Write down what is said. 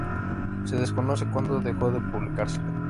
Se desconoce cuándo dejó de publicarse.